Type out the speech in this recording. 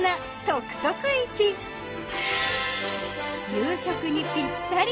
夕食にぴったり！